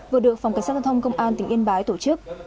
vừa được phòng cảnh sát giao thông công an tỉnh yên bái tổ chức